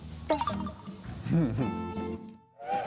フフフ！